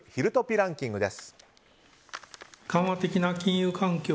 ランキングです。